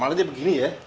malah dia begini ya